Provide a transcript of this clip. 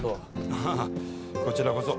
あぁこちらこそ。